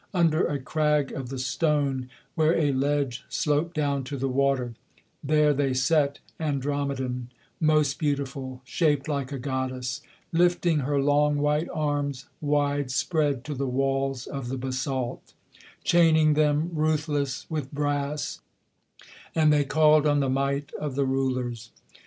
Under a crag of the stone, where a ledge sloped down to the water; There they set Andromeden, most beautiful, shaped like a goddess, Lifting her long white arms wide spread to the walls of the basalt, Chaining them, ruthless, with brass; and they called on the might of the Rulers.